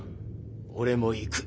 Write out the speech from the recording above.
俺も行く。